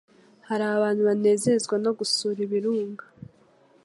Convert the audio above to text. hari abantu banezezwa no gusura ibirunga